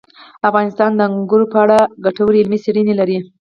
افغانستان د انګورو په اړه ګټورې علمي څېړنې لري.